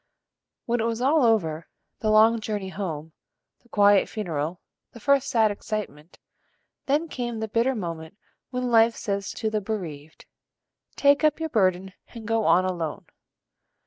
When it was all over, the long journey home, the quiet funeral, the first sad excitement, then came the bitter moment when life says to the bereaved: "Take up your burden and go on alone."